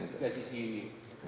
tidak di sini